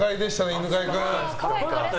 犬飼君。